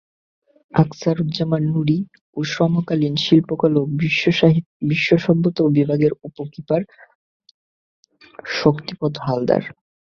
আকছারুজ্জামান নূরী এবং সমকালীন শিল্পকলা ও বিশ্বসভ্যতা বিভাগের উপ কিপার শক্তিপদ হালদার।